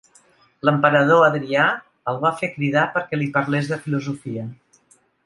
L'emperador Adrià el va fer cridar perquè li parlés de filosofia.